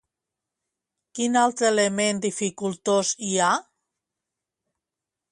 Quin altre element dificultós hi ha?